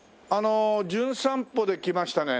『じゅん散歩』で来ましたね